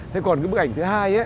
thế còn bức ảnh thứ hai